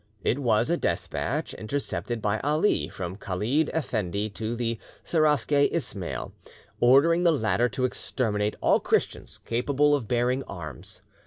It was a despatch, intercepted by Ali, from Khalid Effendi to the Seraskier Ismail, ordering the latter to exterminate all Christians capable of bearing arms.